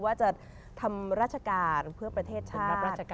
ว่าจะทำราชการเพื่อประเทศชาติ